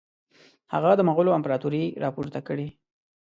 هغه د مغولو امپراطوري را پورته کړي.